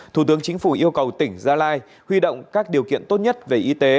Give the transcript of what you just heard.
thủ tướng chính phủ yêu cầu tỉnh gia lai huy động các điều kiện tốt nhất về y tế